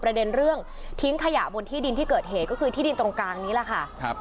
ประเด็นเรื่องทิ้งขยะบนที่ดินที่เกิดเหตุก็คือที่ดินตรงกลางนี้แหละค่ะครับ